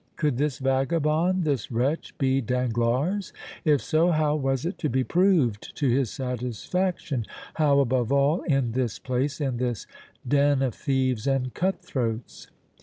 Could this vagabond, this wretch, be Danglars? If so, how was it to be proved to his satisfaction? How, above all, in this place, in this den of thieves and cutthroats?